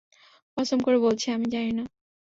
কসম করে বলছি, আমি জানি না।